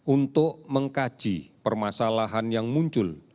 untuk mengkaji permasalahan yang muncul